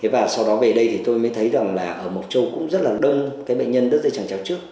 và sau đó về đây thì tôi mới thấy rằng là ở mộc châu cũng rất là đông cái bệnh nhân đứt dây chẳng chéo trước